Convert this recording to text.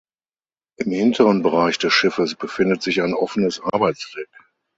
Im hinteren Bereich des Schiffes befindet sich ein offenes Arbeitsdeck.